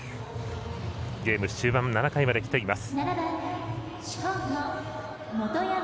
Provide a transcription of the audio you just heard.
ゲーム終盤、７回まできています。